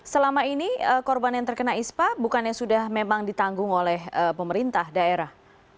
selama ini korban yang terkena ispa bukannya sudah memang ditanggung oleh pemerintah daerah